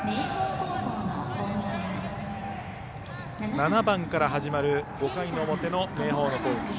７番から始まる５回の表の明豊の攻撃。